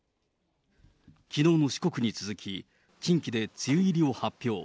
きのうの四国に続き、近畿で梅雨入りを発表。